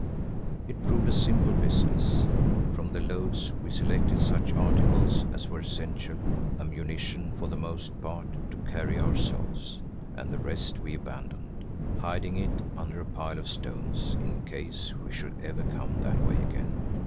It proved a simple business. From the loads we selected such articles as were essential, ammunition for the most part, to carry ourselves—and the rest we abandoned, hiding it under a pile of stones in case we should ever come that way again.